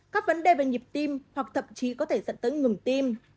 các vấn đề về nhịp tim hoặc thậm chí có thể dẫn tới ngừng tim